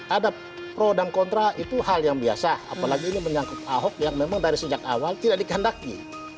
ada pro dan kontra itu hal yang biasa apalagi ini menyangkut ahok yang memang dari sejak awal tidak dikendaki